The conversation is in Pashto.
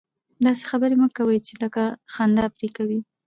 داسي خبري مه کوئ! چي خلک خندا پر کوي.